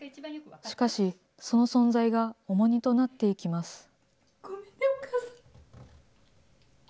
しかし、その存在が重荷となっていきます。